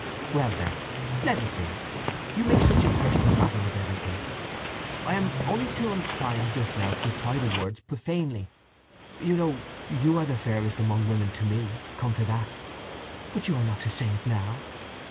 "Well then, let it be! You make such a personal matter of everything! I am—only too inclined just now to apply the words profanely. You know you are fairest among women to me, come to that!" "But you are not to say it now!"